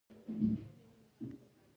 د انګور ګل د زړه لپاره وکاروئ